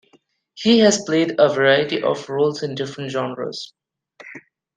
He has played a variety of roles in different genres.